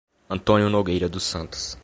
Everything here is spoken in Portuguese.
Antônio Nogueira dos Santos